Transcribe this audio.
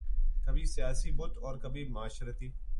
کبھی سیاسی بت اور کبھی معاشرتی